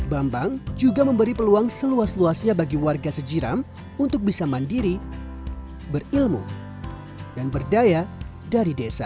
bambang juga memberi peluang seluas luasnya bagi warga sejiram untuk bisa mandiri berilmu dan berdaya dari desa